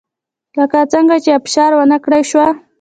لکه څنګه چې ابشار ونه کړای شوه